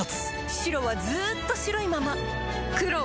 黒はずっと黒いまま